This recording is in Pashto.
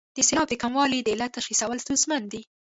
د سېلاب د کموالي د علت تشخیصول ستونزمن دي.